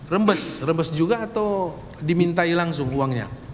rembes rembes juga atau dimintai langsung uangnya